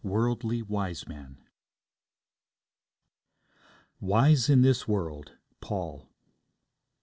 WORLDLY WISEMAN 'Wise in this world.' Paul.